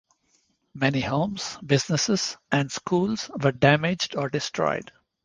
Many homes, businesses, and schools were damaged or destroyed.